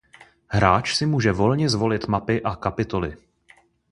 Hráč si může volně zvolit mapy a kapitoly.